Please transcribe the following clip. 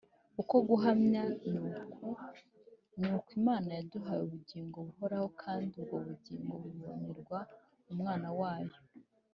uko guhamya ni uku, ni uko Imana yaduhaye ubugingo buhoraho kandi ubwo bugingo bubonerwa mu Mwana wayo.